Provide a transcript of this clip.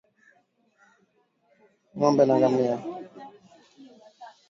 Ng'ombe na ngamia